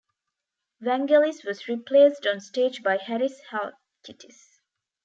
Vangelis was replaced on stage by Harris Halkitis.